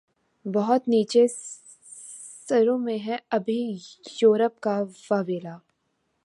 بہت نیچے سروں میں ہے ابھی یورپ کا واویلا